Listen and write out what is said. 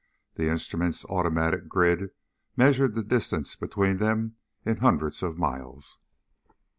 The instrument's automatic grid measured the distance between them in hundreds of miles.